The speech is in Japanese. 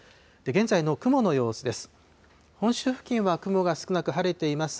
現在の雲の様子です。